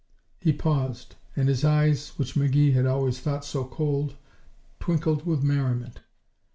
He paused, and his eyes, which McGee had always thought so cold, twinkled with merriment.